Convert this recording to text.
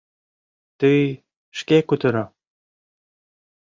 — Тый шке кутыро.